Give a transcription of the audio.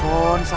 apa urusannya mau